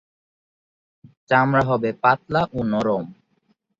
চামড়া হবে পাতলা ও নরম।